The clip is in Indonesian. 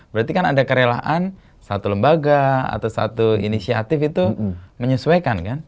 berarti kan ada kerelaan satu lembaga atau satu inisiatif itu menyesuaikan kan